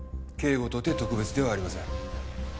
警護とて特別ではありません。